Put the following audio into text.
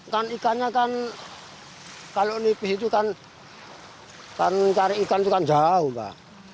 kan ikannya kan kalau nipih itu kan cari ikan itu kan jauh pak